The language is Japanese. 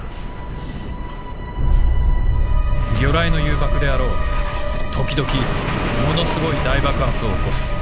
魚雷の誘爆であらう時々物凄い大爆発を起こす。